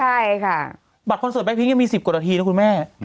ใช่ค่ะบัตรคอนเสิร์ตแพงคยังมี๑๐กว่านาทีนะคุณแม่